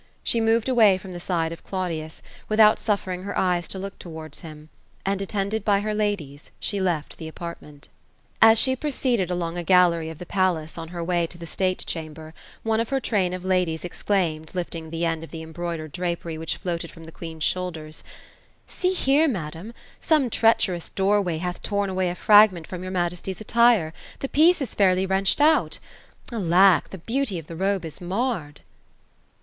She moved away from the side of Claudius, without suffering her eyes to look towards him ; andi attended by her ladies, she left the apartment 248 OPHELIA ; As she proceeded aloug a gallery of the palace, on her way to the state chamber, one of her train of ladies exclaimed, lifting the end of the embroidered drapery which floated from the queen's shoulders ;—'' See here, madam ; some treacherous doorway hath torn away a fragment from your majesty's attire ; the piece is fairly wrenched out. Alack I the beauty of the robe is marred